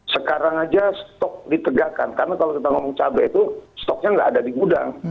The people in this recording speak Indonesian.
sekarang aja stok ditegakkan karena kalau kita ngomong cabai itu stoknya nggak ada di gudang